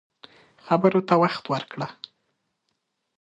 خبرو ته وخت ورکړه